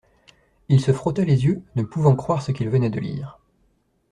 Il se frotta les yeux, ne pouvant croire ce qu’il venait de lire.